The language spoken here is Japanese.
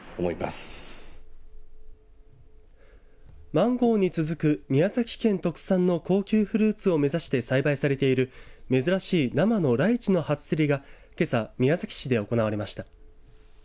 マンゴーに続く宮崎県特産の高級フルーツを目指して栽培されている珍しい生のライチの初競りがけさ、宮崎市で行われました。